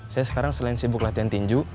saya sekarang selain sibuk latihan tinju